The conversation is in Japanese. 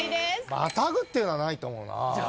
「またぐ」っていうのはないと思うな。